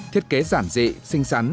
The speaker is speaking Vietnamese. thiết kế giản dị xinh xắn